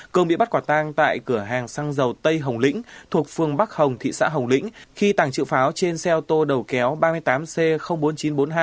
cường bị bắt quả tang tại cửa hàng xăng dầu tây hồng lĩnh thuộc phương bắc hồng thị xã hồng lĩnh khi tàng trữ pháo trên xe ô tô đầu kéo ba mươi tám c bốn nghìn chín trăm bốn mươi hai